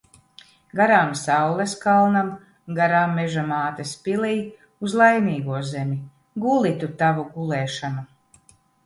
Garām saules kalnam, garām Meža mātes pilij. Uz Laimīgo zemi. Guli tu tavu gulēšanu!